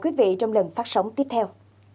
quý vị trong lần phát sóng tiếp theo